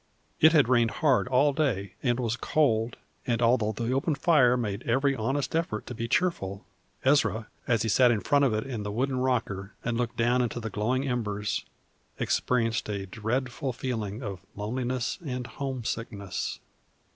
It had rained hard all day, and was cold; and although the open fire made every honest effort to be cheerful, Ezra, as he sat in front of it in the wooden rocker and looked down into the glowing embers, experienced a dreadful feeling of loneliness and homesickness.